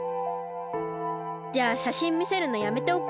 じゃあしゃしんみせるのやめておく？